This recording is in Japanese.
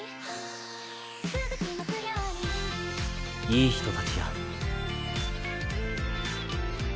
いい人たちや。